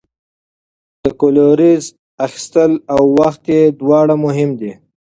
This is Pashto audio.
د کلوریز اخیستل او وخت یې دواړه مهم دي.